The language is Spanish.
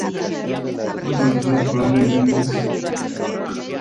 Está protagonizada por Alec Guinness y Ward Simon.